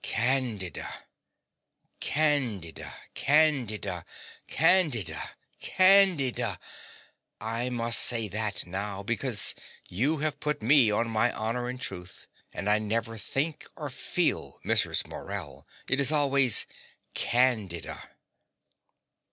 Candida, Candida, Candida, Candida, Candida. I must say that now, because you have put me on my honor and truth; and I never think or feel Mrs. Morell: it is always Candida.